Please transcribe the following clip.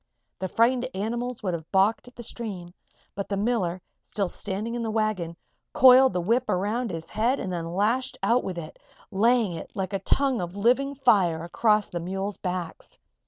The frightened animals would have balked at the stream, but the miller, still standing in the wagon, coiled the whip around his head and then lashed out with it, laying it, like a tongue of living fire, across the mules' backs.